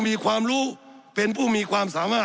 สับขาหลอกกันไปสับขาหลอกกันไป